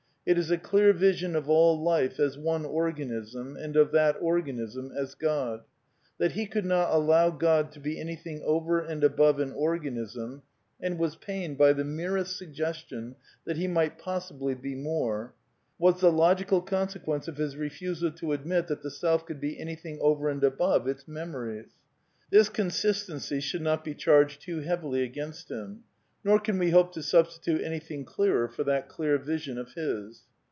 It is a clear vision of all life as one organism and of that organism as God. That he could not allow God to be anything over and above an organism, and was pained by the merest suggestion that he might possibly be more, was the logical consequence of his refusal to admit ^X Aat the Self could be anything over and above its mem ^ ories. This consistency should not be charged too heavily against hinL Nor can we hope to substitute anything clearer for that clear vision of his.